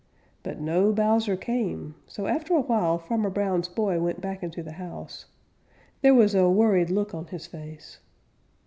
But no Bowser came, so after a while Farmer Brown's boy went back into the house. There was a worried look on his face.